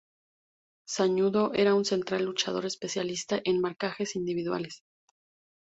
Sañudo era un central luchador, especialista en marcajes individuales.